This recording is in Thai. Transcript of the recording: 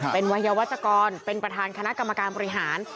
เป็นวัยวัชกรเป็นประธานคณะกรรมการบริหาร